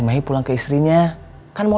mirip dari si pammu